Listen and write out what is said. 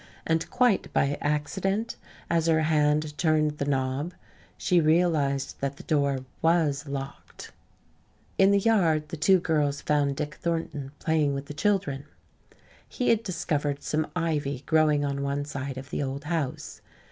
And quite by accident, as her hand turned the knob, she realized that the door was locked. In the yard the two girls found Dick Thornton playing with the children. He had discovered some ivy growing on one side of the old house.